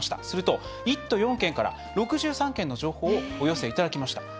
すると、１都４県から６３件の情報をお寄せいただきました。